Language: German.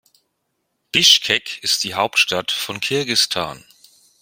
Bischkek ist die Hauptstadt von Kirgisistan.